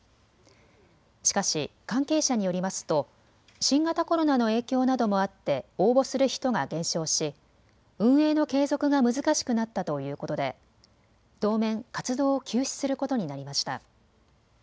しかし関係者によりますと新型コロナの影響などもあって応募する人が減少し運営の継続が難しくなったということで当面、活動を休止することになりました。